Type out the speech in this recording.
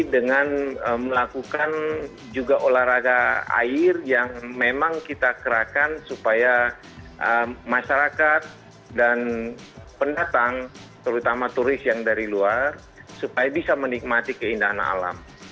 dengan melakukan juga olahraga air yang memang kita kerahkan supaya masyarakat dan pendatang terutama turis yang dari luar supaya bisa menikmati keindahan alam